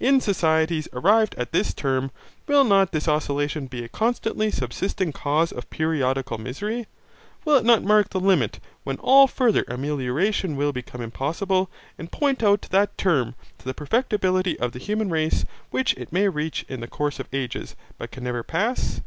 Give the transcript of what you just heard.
In societies arrived at this term, will not this oscillation be a constantly subsisting cause of periodical misery? Will it not mark the limit when all further amelioration will become impossible, and point out that term to the perfectibility of the human race which it may reach in the course of ages, but can never pass?